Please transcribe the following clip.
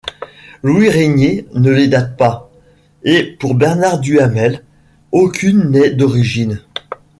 Louis Régnier ne les date pas, et pour Bernard Duhamel, aucune n'est d'origine.